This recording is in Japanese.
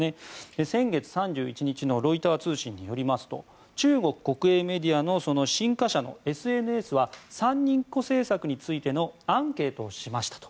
先月３１日のロイター通信によりますと中国国営メディアの新華社のＳＮＳは三人っ子政策についてのアンケートをしましたと。